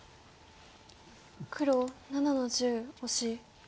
黒７の十オシ。